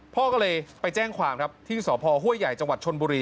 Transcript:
พ่อก็เลยไปแจ้งความครับที่สพห้วยใหญ่จังหวัดชนบุรี